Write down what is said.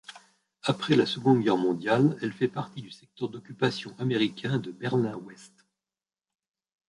Après la Seconde Guerre mondiale, elle fait partie du secteur d'occupation américain de Berlin-Ouest.